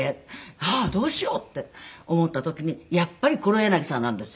ああどうしよう？って思った時にやっぱり黒柳さんなんですよ。